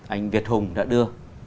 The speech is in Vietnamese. anh việt hùng đã đưa